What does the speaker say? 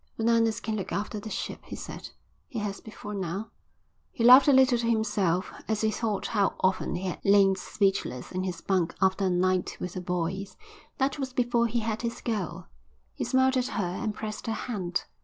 "Bananas can look after the ship," he said. "He has before now." He laughed a little to himself as he thought how often he had lain speechless in his bunk after a night with the boys. That was before he had his girl. He smiled at her and pressed her hand.